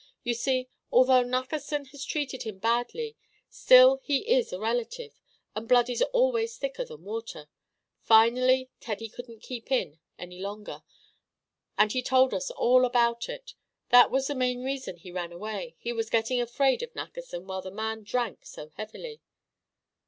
You see, although Nackerson has treated him badly, still he is a relative, and blood is always thicker than water. Finally Teddy couldn't keep in any longer, and he told us all about it. That was the main reason he ran away; he was getting afraid of Nackerson while the man drank so heavily."